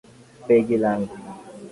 Begi langu.